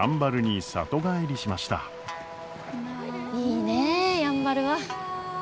いいねやんばるは。